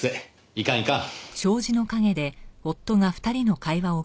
いかんいかん。